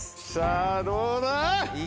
さぁどうだ？